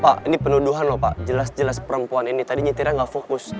pak ini penuduhan loh pak jelas jelas perempuan ini tadi nyetirnya nggak fokus